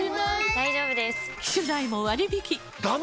大丈夫です！